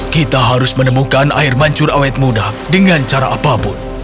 kita harus menemukan air mancur awet muda dengan cara apapun